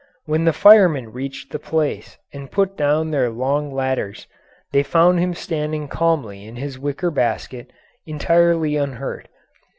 When the firemen reached the place and put down their long ladders they found him standing calmly in his wicker basket, entirely unhurt.